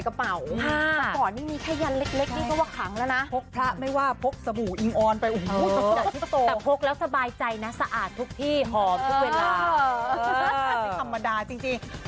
ขอบคุณบันเติมใจรับจะไปกระชาภาพาเป็นบุญ